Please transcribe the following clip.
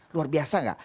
luar biasa gak